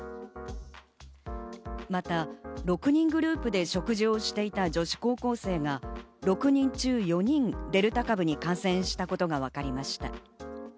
また６人グループで食事をしていた女子高校生が６人中４人、デルタ株に感染したことがわかりました。